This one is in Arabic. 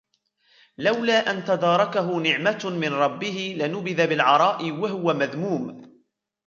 لَوْلَا أَنْ تَدَارَكَهُ نِعْمَةٌ مِنْ رَبِّهِ لَنُبِذَ بِالْعَرَاءِ وَهُوَ مَذْمُومٌ